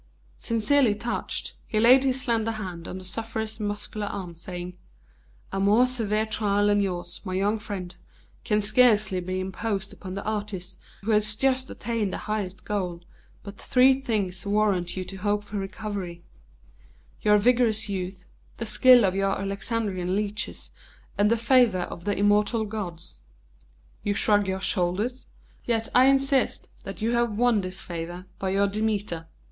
Sincerely touched, he laid his slender hand on the sufferer's muscular arm, saying: "A more severe trial than yours, my young friend, can scarcely be imposed upon the artist who has just attained the highest goal, but three things warrant you to hope for recovery your vigorous youth, the skill of our Alexandrian leeches, and the favour of the immortal gods. You shrug your shoulders? Yet I insist that you have won this favour by your Demeter.